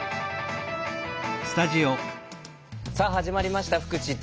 さあ始まりました「フクチッチ」。